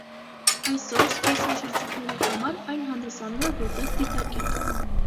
Այսօր զբոսաշրջիկների համար այն հանդիսանում է որպես դիտակետ։